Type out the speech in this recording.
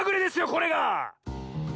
これが！